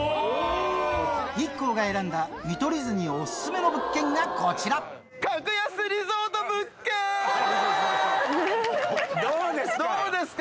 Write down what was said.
ＩＫＫＯが選んだ見取り図にオススメの物件がこちらどうですか？